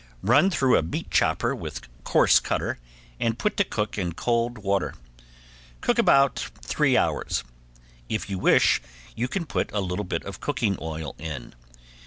Run through a meat chopper with coarse cutter and put to cook in cold water. Cook about three hours. If you wish you can put a little bit of cooking oil in.